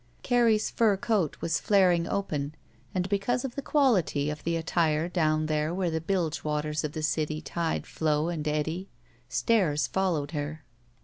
Carrie's fur coat was flaring open and, because of the quality of her attire down there where the bilge waters of the dty tide flow and eddy, stares followed her.